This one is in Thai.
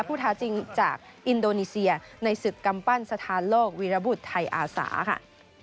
ท้าจริงจากอินโดนีเซียในศึกกำปั้นสถานโลกวีรบุตรไทยอาสาค่ะ